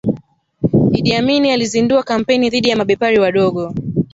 Idi Amin alizindua kampeni dhidi ya mabepari wadogo